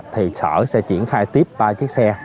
thì sở sẽ triển khai tiếp ba chiếc xe